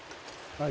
はい。